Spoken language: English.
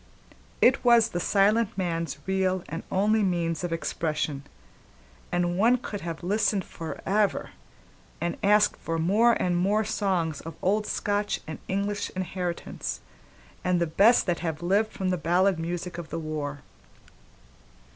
It was the silent man's real and only means of expression, and one could have listened forever, and have asked for more and more songs of old Scotch and English inheritance and the best that have lived from the ballad music of the war.